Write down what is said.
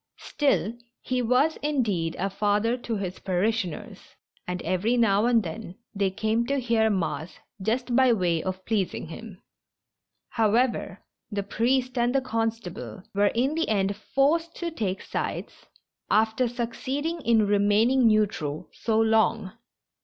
Still, he was, indeed, a father to his parishioners, and every now and then they came to hear mass just by way of pleasing him. However, the priest and the constable were in the end forced to take sides after succeeding in remaining neu tral so long.